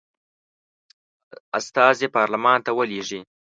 استازي پارلمان ته ولیږي.